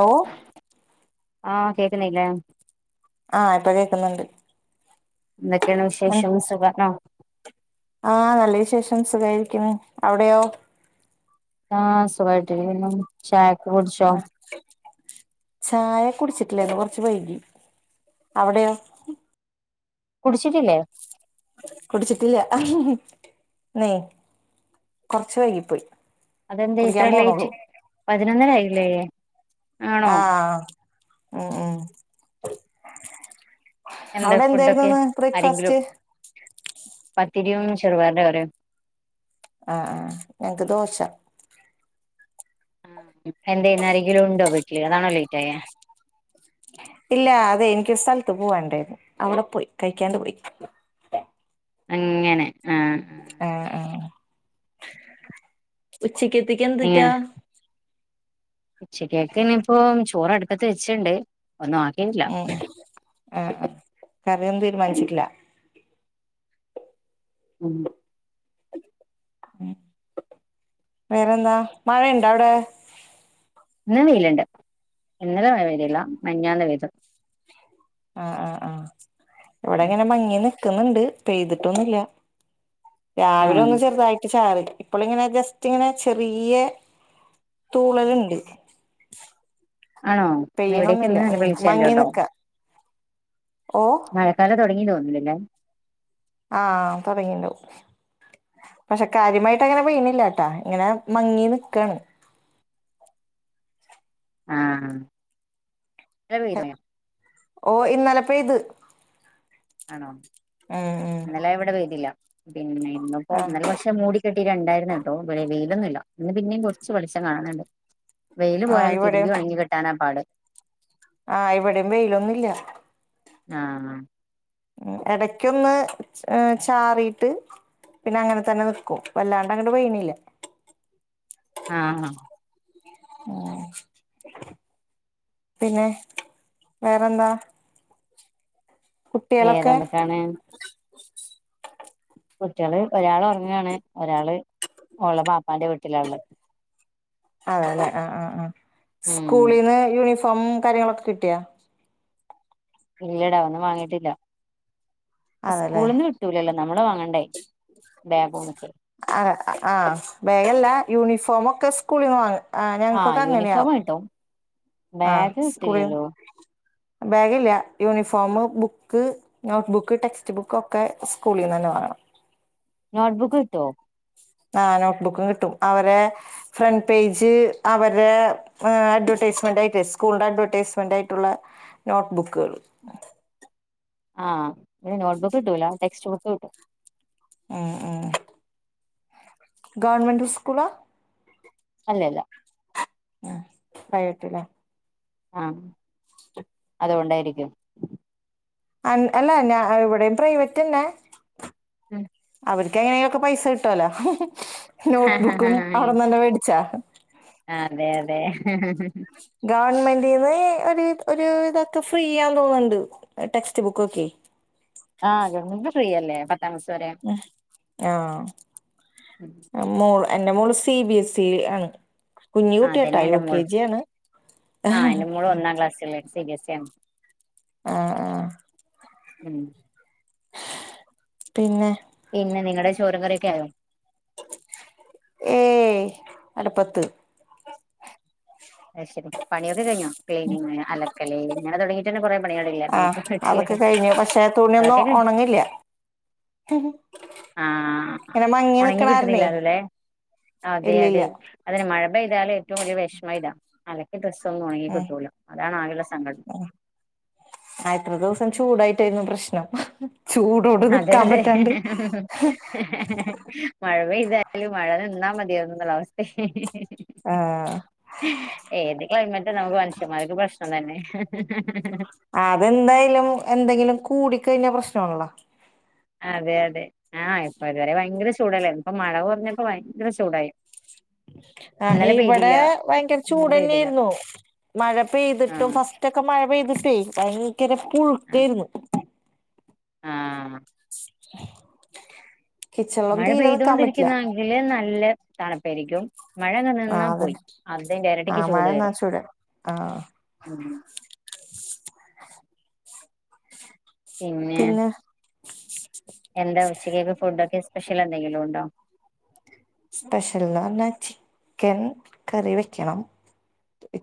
ഓ ആ കേക്കുന്നില്ലേ ആ ഇപ്പൊ കേക്കുന്നുണ്ട് എന്തൊക്കെയാണ് വിശേഷം സുഖാണോ ആഹ് നല്ല വിശേഷം സുഖയിരിക്കുന്നു അവിടെയോ ആ സുഖയിട്ടിരിക്കുന്നു ചായ ആ ചായ കുടിച് ട്ടില്ലേന്ന് കൊർച്ച് വൈകി അവിടെയോ കുടിച്ചിട്ടില്ലേ കുടിച്ചിട്ടില്ല നെയ് കൊർച്ച വൈകിപ്പോയി അതെന്താ ഇത്ര കുടിക്കാൻ ലേറ്റ് പോണുള്ളൂ പതിനൊന്നരായില്ലേ ആണോ ആഹ് ഉം ഉം എന്താ അവിടെ ഫുഡൊക്കെ എന്തായിരുന്നുന്ന് ഇന്ന് ആരെങ്കിലും ബ്രേക്ക്ഫാസ്റ്റ് പത്തിരിയും ചെറുപയറിന്റെ കറിയും ആഹ് ആഹ് ഞങ്ങക്ക് ദോശ എന്താ ഇന്നാരെങ്കിലും ഉണ്ടോ വി ലേ അതാണോ ലേറ്റ് ആയേ? ഇല്ല അതെ എനിക്ക് സ്ഥലത്ത് പോവാണ്ടായിരുന്നു അവിടെ പോയി കഴിക്കാണ്ട് പോയി അങ്ങനെ ആഹ് ആഹ് ആഹ് ഉച്ചക്കത്തേക്ക് എന്തിട്ടാ? ഉച്ചക്കത്തേനിയിപ്പൊ ചോറ് അടുപ്പത്ത് വെച്ചിണ്ട്, ഒന്നും ആക്കിനില്ല. ഉം ആഹ് ആഹ് കറിയൊന്നും തീരുമാനിച്ചിട്ടില്ല? ഉം ഉം വേറെന്താ മഴ ഇണ്ട അവിടെ? ഇന്ന് വെയിലുണ്ട്. ഇന്നലെ മഴ പെയ്തില്ല, മിനിഞ്ഞാന്ന് പെയ്തു. ആഹ് ആഹ് ആഹ് ഇവിടെങ്ങനെ മങ്ങിനി ക്കുന്നുണ്ട് പെയ്തിട്ടൊന്നുല്ല. രാവിലെ ആഹ് ഒന്ന് ചെറുതായിട്ട് ചാറി ഇപ്പളിങ്ങനെ ജസ്റ്റ് ഇങ്ങനെ ചെറിയ തൂളലുണ്ട്. ആണോ ഇവിടേക്ക് പെയ്യണൊന്നില്ല ഇന്ന് ഉം വെളിച്ചണ്ട് മങ്ങി കേട്ടോ. നിക്ക ഓ മഴക്കാലം തുടങ്ങി തോന്നു [unintelligible] ആഹ് തുടങ്ങിണ്ടാവും പക്ഷെ കാര്യമായിട്ട് അങ്ങനെ പെയ്ണില്ലട്ടാ. ഇങ്ങനെ മങ്ങി നിക്കാണ് ആഹ് മഴ പെയ്തിനോ ഓ ഇന്നലെ പ്പെയ്ത് ആണോ. ഇന്നലെ ഇവിടെ പെയ്തില്ല. പിന്നെ ഇന്ന് ഇപ്പം ഉം ആഹ് ഇന്നലെ പക്ഷെ മൂടി കെട്ടി രണ്ടായിരുന്നുട്ടോ വെയിലൊന്നുല്ല. ഇന്ന് പിന്നെയും കുറച്ചു വെളിച്ചം കാണണ് ണ്ട്. വെയിയല് ആഹ് പോയാൽ തിരുമ്പി ഇവിടെയും ഒണങ്ങി കിട്ടാനാ പാട്. ആഹ് ഇവിടെയും വെയിലൊന്നും ഇല്ല. ആണോ ഉം എടക്കൊന്ന് ഏ ചാറിട്ട് പിന്നെ അങ്ങനെ തന്നെ നിക്കും വല്ലാണ്ടങ്ങട് പെയ്യ്ണില്ല ആ ഹ പിന്നെ വേറെന്താ കുട്ടികളൊക്കെ വേറെന്തൊക്കാണ് കുട്ടികള് ഒരാള് ഉറങ്ങയാണ് ഒരാള് ഓൾടെ ബപ്പാന്റെ വീട്ടിലാള്ളെ അേല്ലെ ആ ആ അ ഉം സ്കൂളിന്ന് യൂണിഫോ ഉംകാര്യങ്ങളൊക്കെ കിട്ടിയാ ഇല്ലടാ ഒന്നും വാങ്ങിട്ടില്ല അതെല്ലേ സ്കൂള്ന്ന് കിട്ടൂലല്ലോ നമ്മള് വാങ്ങണ്ടേ ബാഗും ഒക്കെ ആ ആ ബേഗല്ല യൂണിഫോമൊക്കെ സ്കൂളിന്ന് വാങ്ങ ആ ഞങ്ങക്കൊക്കെ അങ്ങനെയാ യൂണിഫോം കിട്ടും ആ ബാഗ് സ്കൂളിൽ കിട്ടില്ലല്ലോ ബാഗില്ല യൂണിഫോം ബുക്ക് നോട്ട്ബുക്ക് ടെക്സ്റ്റ് ബുക്കൊക്കെ സ്കൂളിൽന്നന്നെ വാങ്ങണം നോട്ബുക്ക് കിട്ടോ ആ നോട്ട്ബുക്കും കിട്ടും അവരെ ഫ്രണ്ട് പേജ് അവരെ അഡ്വടെയ്സ്മെന്റായിട്ട് സ്കൂളിന്റെ അഡ്വടെയ്സ്മെന്റായിട്ടുള്ള നോട്ട്ബുക്കുകൾ ആ ഇ നോട്ട്ബുക്ക് കിട്ടൂലാ ടെക്സ്റ്റ് ബുക്ക് കിട്ടും ഉം ഉം ഗവർമെന്റ് സ്കൂളാ അല്ലല്ല ഉം പ്രൈവറ്റ്യല്ലേ ആ അതുകൊണ്ടായിരിക്കും അ അല്ല ഞാ ഇവിടെയും പ്രൈവറ്റ്ന്നെ ഉം ക്കെങ്ങനെയിലൊക്കെ പൈസ കിട്ടുവലോ ഹ നോട്ട്ബുക്കും അവിടന്ന തന്നെ വേടിച്ചാ ആ അതെ അതെ ഗവൺമെന്റീന്ന് ഒരുവിദൊക്കെ ഫ്രീ ആൻ തോന്ന്ണ്ട് ടെക്സ്റ്റ് ബുക്കൊക്കെ ആഹ ഗർമെന്റ് ഫ്രീയല്ലേ പ ഉ ആ മൂള എന്റെ മോള് സിബിഎസ്ഇ ആണ് കുഞ്ഞി ആഹ് കുട്ടിയാട്ടാ അതന്നെ എന്റെ മോളും യുകെജി ആണ് സിബിഎസ്ഇ ആണ് ആ ആ ഉം പിന്നെ പിന്നെ നിങ്ങളടെ ചോറും കറിയൊക്കെ ആയോ ഏ അട്പ്പത്ത് അ ശരി പണിയൊക്കെ കഴിഞ്ഞോ ക്ലീനിങ് അല്ലെ അല്ലേ കുറേ [inaudible] ആഹ് പണികളൊക്കെ അതൊക്കെ കഴിഞ്ഞു പക്ഷെ ഒകെ തുണിയൊന്നും കഴിഞ്ഞു ഉണങ്ങില്ല ഇങ്ങനെ മങ്ങി ഉണങ്ങി കിട്ടുന്നില്ല നിക്കണാരണേ ഇല്ലില്ല ആ മഴ പെയ്താൽ ഏറ്റവും വലിയ വിഷമ ഇതാ അലക്കിയ ഡ്രസ്സ്‌ ഒ ന്നും ഉണങ്ങി ഉം കിട്ടൂല അതാണ് ആകുള്ള സങ്കടം രുന്നു പ്രശ്നം ചൂടോട് അതെ നിക്കാൻ അതെ പറ്റാണ്ട് [inaudible] മഴ പെയ്താൽ മഴ നിന്നാൽ ഏതൊരു അവസ്ഥ ആഹ് ഏത് ക്ലൈമറ്റ് നമുക്ക് മനുഷ്യന്മാർക്ക് പ്രശ്നം തന്നെ [inaudible] അതെന്തായാലും എന്തെങ്കിലും കൂടി കഴിഞ്ഞാ പ്രശ്നം ആണ് അല്ലോ അതെ അതെ ആ ഇപ്പൊ ഇതുവരെ ഭയങ്കര ചൂടല്ലേ ഇപ്പ മഴ കുറഞ്ഞപ്പോ ഭയങ്കര ചൂടായി ആ ഇന്നലെ ഇവിടെ പെയ്തില്ല ഭയങ്കര ഇന്നും പെയ്തില്ല ചൂട്ന്നെയായിരുന്നു മഴ പെയ്തിട്ടും ആഹ് ഫസ്റ്റ് ഒക്കെ മഴ പെയ് [inaudible] [inaudible] ആ [inaudible] മഴ തീരെ നിക്കാൻ പറ്റില്ല പെയ്തുകൊണ്ടിരിക്കുന്ന കണ്ടില്ല് നല്ല തണുപ്പരിക്കും മഴ നനഞ്ഞ ആഹ് പോയി അതന്നെ അതിന്റെ ഇരട്ടിക്ക് ആഹ് മഴ ചൂട് നന വരും ചൂട് ആഹ് ഉ പിന്നെ എന്താ ഉച്ചക്കൊക്കെ ഫുഡൊക്കെ സ്പെഷ്യൽ എന്തെങ്കിലും ഉണ്ടോ സ്പെഷ്യൽന്ന് പറഞ്ഞാൽ ചിക്കൻ കറി വെക്കണം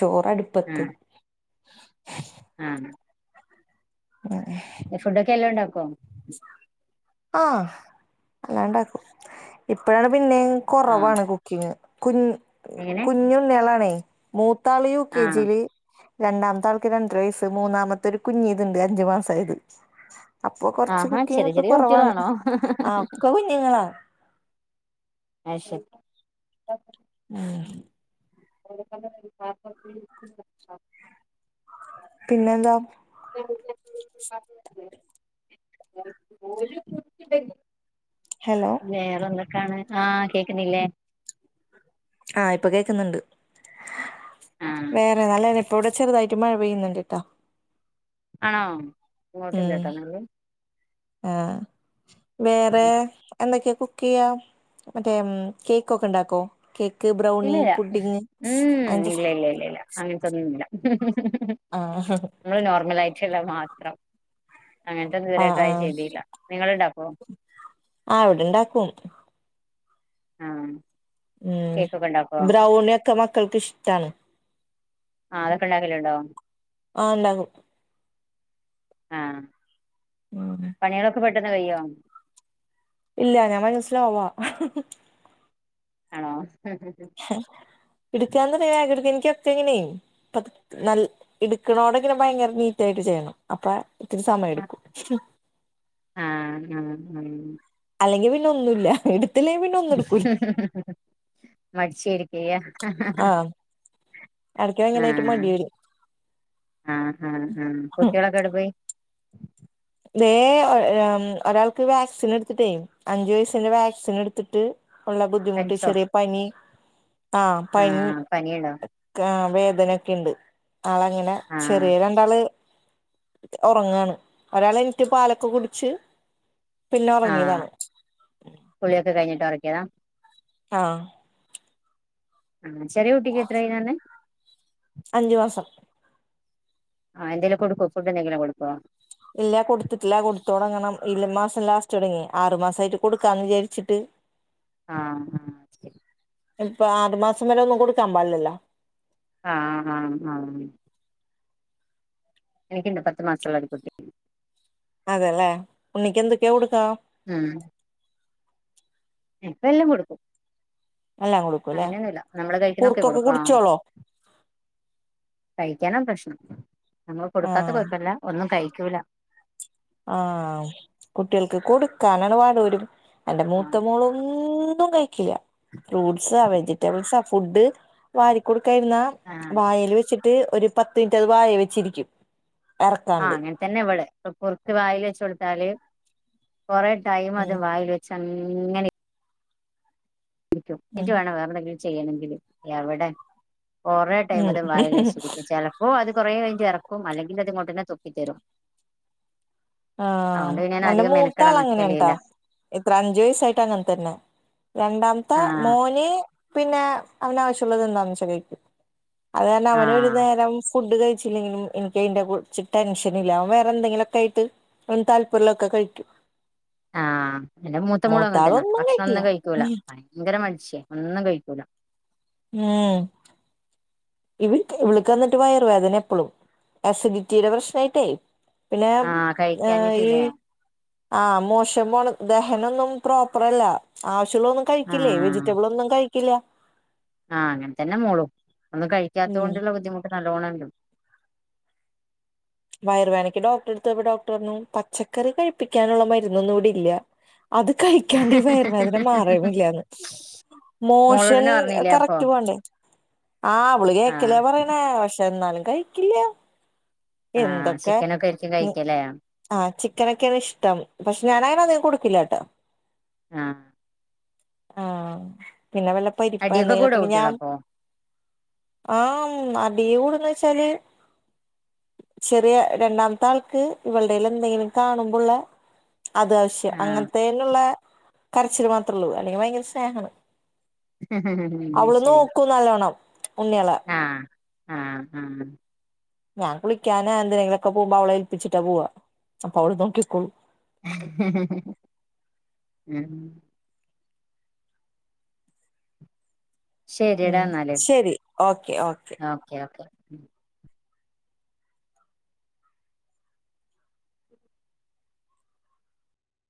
ചോറടുപ്പത്ത് ആഹ് [inaudible] ഫുഡോക്കെ എല്ലാം ഉണ്ടാക്കുമോ ആ അല്ലാണ്ടാക്കും ഇപ്പോഴാണ് പിന്നെ ആഹ് കുറവാണ് കുക്കിങ് കു എങ്ങനെ കുഞ്ഞുണ്ണളാണേ മൂ മൂത്തയാള് ആഹ് യുകെജിയിലെ രണ്ടാമത്തെ ആൾക്ക് രണ്ടര വയസ്സ് മൂന്നാമത്തെ ഒരു കുഞ്ഞി ഇതുണ്ട് അഞ്ചു മാസ ആത് അപ്പ കുച്ച് ആഹാ കുക്കിംഗ ചെറിയ ഒക്കെ ചെറിയ കുറവാണ് കുട്ടികളാണോ ആ ഒക്കെ കുഞ്ഞുങ്ങളാ അ ശെരി [unintelligible] പിന്നെന്താ [unintelligible] ഹലോ വേറെന്ന കാണാൻ ആ കേക്കുന്നില്ലേ ആ ഇപ്പൊ കേക്കുന്നുണ്ട് ആഹ് വേറെ നല്ലനി ഇപ്പോ ഇവിടെ ചെറുതായിട്ട് മഴ പെയ്യുന്നുണ്ട്ട്ട ആണോ യിങ്ങോട്ടില്ലാട്ടോന്നാല് ആ വേറെ എന്തൊക്കെയ കുക്ക് ചെയ്യാം മറ്റേ കേക്കൊക്കെ ഉണ്ടാക്കോ കേ ഇല്ലില്ല ഉം ഇല്ല ഇല്ല ഇല്ല ഇല്ല അങ്ങനത്തൊന്നും ഇല്ല ഉം ഹ് ഹ് ആ ഹ് ഹ് ചെലത് മാത്രം അങ്ങനത്തെ ഇതുവരെ ആഹ് ട്രൈ ആഹ് ചെയ്തീല്ല നിങ്ങള് ഇണ്ടാക്കുവോ ആഹ് ഇവിടെണ്ടാക്കും ആ ഉം ബ്രൗണിയൊക്കെ മക്കൾക്ക് ഇഷ്ടാണ് ആ അതൊക്കെ ഉണ്ടാക്കല് ഉണ്ടോ ആ ഉണ്ടാക്കും ആ ഉം പണികളൊക്കെ പെട്ട പെട്ടന്ന് കഴിയുവോ ഇല്ല ഞാൻ ഭയങ്കര സ്ലോവാ ആണോ പിടിക്കാവുന്ന ഒരാകൃതി ഒക്കെ എങ്ങനെയ് പതുക്കെ ന എ ടുക്കണോടെങ്ങനെ ഭയങ്കര നീറ്റ് ആയിട്ട് ചെയ്യണം അപ്പ ഒത്തിരി സമയം ആഹ് എടുക്കും ഉം അല്ലെങ്കി പിന്നെ ഒന്നൂല്ല എട് ഹ് ഹ് ഹ് മടിചിരിക്കിയാ ആഹ് എടക്ക് ആ ഭയങ്കരായിട്ട് മടി വരും ആഹ കുട്ടികളൊക്കെ എവിടെ പോയി ദെ ഒരാ ഒരാൾക്ക് വാക്സിൻ എടുത്തിട്ടേ അഞ്ചു വയസിന്റെ വാക്സിൻ എടുത്തിട്ട് ഉള്ള ബുദ്ധിമുട്ട് പനിച്ചോ ചെറിയ പനി ആ പനി ആഹ് പനിയുണ്ടോ ക വേദനൊക്കെണ്ട്. ആളങ്ങനെ ആഹ് ചെറിയ രണ്ടാള് ഒറങ്ങാണ് ഒരാൾ എണീറ്റ് പാലൊക്കെ കുടിച്ച് പിന്നെ ആ ഉറങ്ങിയതാണ് കുളിയൊക്കെ കഴിഞ്ഞിട്ട് ഒറ ആ ചെറിയ കുട്ടിക്ക് എത്രയായിന്ന പറഞ്ഞ് അഞ്ചു മാസം ആ എന്തേലുമൊക്കെ ഒര് [unintelligible] ഫുഡ് എന്തെങ്കിലും കൊടുക്കോ? ഇല്ല. കൊടുത്തിട്ടില്ല. കൊടുത്തോടങ്ങണം. ഈ മാസം ലാസ്റ്റോടങ്ങി ആറുമാസയിട്ട് കൊടുക്കാന്ന് വിചാരിച്ചിട്ട് ആ ആ ശരി ഇപ്പോ ആറുമാസം വരെ ഒന്നും കൊടുക്കാൻ പാടില്ലല്ലോ ആ ആ ആ എനിക്ക് ഇണ്ട് പത്ത് മാസള്ള ഒരു കുട്ടി. അതേല്ലേ? ഉണ്ണിക്ക് എന്ത്ക്കെയാ കൊടുക്കാ? ഉം ഇപ്പ എല്ലാം കൊടുക്കും എല്ലാം കൊടുക്കുംല്ലേ അങ്ങനെയൊന്നുമില്ല നമ്മള് കഴിക്കുന്നൊക്കെ കുറുക്കൊക്കെ കൊടുക്കും ആ കുടിച്ചോളോ? കുടിക്കാന പ്രശ്നം നമ്മള് കൊടുക്കാത്ത ആഹ് കൊഴപ്പല്ല ഒന്നും കഴി ക്കൂല ആ കുട്ടികൾക്ക് കൊടുക്കാനാണ് പാട്. ഒരു എന്റെ ആഹ് മൂത്ത മോളും ഒന്നും കഴി കില്ല ഫ്രൂട്ട്സോ വെജിറ്റബിൾസോ ഫുഡ് വാരിക്കൊട് ക്കഴ്ന്ന ആഹ് വായേല് വെച്ച് ട്ട് ഒരു പത്ത് മിനിറ്റ് അത് വായേ വെച്ചിരിക്കും ആ എറക്കാണ്ട് അങ്ങൻതന്നെവള് [unintelligible] വായില് വെച്ച് കൊടുത്താല് കൊറേ ടൈം അത് ഉം വായില് വെച്ച അങ്ങനെ രിക്കും ന്നട്ട് ഉം വേണം വേറെന്തെങ്കില് ചെയ്യണെങ്കിലും എവടെ കൊറേ ടൈം ഉം അത് വായിൽവച്ചിരിക്കും ചെലപ്പോ അത് കൊറേ കഴിഞ്ഞിട്ടെറക്കും അല്ലെങ്കിലത് ഇങ്ങോട്ടന്നെ തുപ്പി തരും. ആ അതുകൊണ്ട് പിന്നെ ഞാൻ എന്റെ അധികം മൂത്താൾ മെനക്കെടാൻ അങ്ങനെയാണ് ട്ടോ നിക്കലില്ല ഇത്ര അഞ്ചു വയസായിട്ട് അങ്ങൻ തന്നെ രണ്ടാമ ത്ത ആഹ് മോന് പിന്നെ അവന് ആവിശ്യ ഉള്ളത് എന്താന്ന് വെച്ചാ കഴിക്കും അത് കാരണം അവനൊരു ആഹ് നേരം ഫുഡ് കഴിച്ചില്ലെങ്കിലും എനിക്ക് അയിന്റെ കുർച്ച് ടെൻഷൻ ഇല്ല അവൻ വേറെ എന്തെങ്കിലുംക്കായിട്ട് ഓന് താല്പര്യള്ളൊക്കെ കഴിക്കും ആ എന്റെ മൂത്ത മോൾ അങ്ങൻ മൂത്താള് തന്നാ ഭക്ഷണം കഴിക്കില്ല ഒന്നും കഴിക്കൂല. ഉം ഭയങ്കര മടിച്ചിയ ഒന്നും കഴിക്കൂല. ഉം ഇവ് ഇവൾക്ക് അന്നിട്ട് വയർ വേദന എപ്പളും ആസിഡിറ്റിടെ പ്രശ്നായിട്ടേ. പിന്നെ ആഹ് ഏ ഈ കഴിക്കാഞ്ഞിട്ടില്ലേ ആ മോശം പോലത്തെ ശനൊന്നും പ്രോപ്പർ അല്ല. ച്ചളോന്നും കഴിക്കില്ലെ വെജിറ്റബ്ൾ ഒന്നും കഴി ഇല്ലാ ആ അങ്ങൻ തന്നെ മോളും. ഒന്നും ഉം കഴിക്കാത്തൊണ്ട്ള്ള ബുദ്ധിമുട്ട് നല്ലോണം ഇണ്ട് വയർ വേനക്ക് ഡോക്ടറെ എട്ത്തൊയപ്പം ഡോക്ടർ പർഞ്ഞു പച്ചക്കറി കഴിപ്പിക്കാനുള്ള മരുന്നൊന്നും ഇവിടെ ഇല്ല അത്. കഴിക്കാണ്ട് ഈ വയർവേദന മാറെ വില്ലാന്ന് മോഷൻ മോളോടന്നെ പറഞ്ഞില്ലേ അപ്പൊ കറക്റ്റ് പോണ്ടേ. ആ അവൾ ആഹ് കേക്ക്അല്ലെ പറിയ്ണേ എന്നാലും കഴിക്കില്ല. ആഹ് എന്തൊക്കെ ചിക്കനൊക്കെ ആയിരിക്കും ന്ന് കഴിക്കല്ലേ ആ ചിക്കനൊക്കെയാണ് ഇഷ്ടം പക്ഷെ ഞാൻ അങ്ങനെ അതി കൊട്ക്കില്ലട്ടോ ആ ആ പിന്നെ വെള്ള പരിപ്പാ അടിയൊക്കെ കൂടോ എന്തെങ്കിലൊക്കെ ഇണ്ടെങ്കി കുട്ടികള് ഞാമ് അപ്പൊ ആമ് അ ടി കൂടോന്ന് ചോയിച്ചാൽ ചെറിയ രണ്ടാമത്തെ ആൾക്ക് ഇവൾടെൽ എന്തെങ്കിലും കാണുമ്പോ ഉള്ളെ അത് ആവശ്യം ആഹ് അങ്ങൻത്തേൻയുള്ളെ കരച്ചിൽ മാത്രം ഒള്ളു അല്ലെങ്കിൽ ഭയങ്കര സ്നേഹാണ്. അവൾ ശരി നോക്കും നല്ലോണ്ണം. ഉണ്ണിയേളെ ആ ആ ഞാൻ കുളിക്കാനാ എന്തിനെങ്കിലൊക്കെ പോകുമ്പോ അവളെ ഏൽപ്പിച്ചിട്ടാ പോവാ. അപ്പൊ അവൾ നോക്കിക്കോളും ഉം ശരിയടാ ഉം എന്നാല് ശരി ഓക്കെ ഓക്കെ ഉം